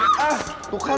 gak apa apa aku aah tuhan